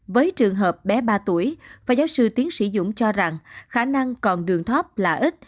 với trường hợp bé ba tuổi phó giáo sư tiến sĩ dũng cho rằng khả năng còn đường thấp là ít